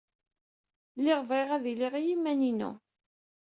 Lliɣ bɣiɣ ad iliɣ i yiman-inu.